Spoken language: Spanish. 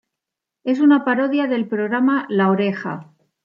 Es una parodia del programa La Oreja.